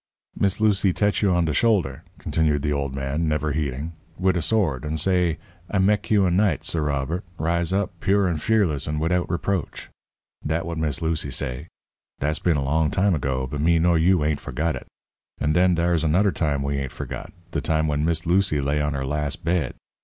"Miss Lucy tetch you on de shoulder," continued the old man, never heeding, "wid a s'ord, and say: 'I mek you a knight, Suh Robert rise up, pure and fearless and widout reproach.' Dat what Miss Lucy say. Dat's been a long time ago, but me nor you ain't forgot it. And den dar's another time we ain't forgot de time when Miss Lucy lay on her las' bed.